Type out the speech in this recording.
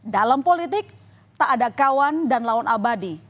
dalam politik tak ada kawan dan lawan abadi